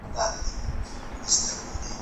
زه به مړۍ خوړلي وي؟